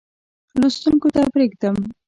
لوستونکو ته پرېږدم.